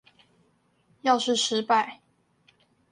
要是失敗